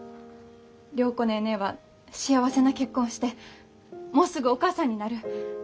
良子ネーネーは幸せな結婚してもうすぐお母さんになる。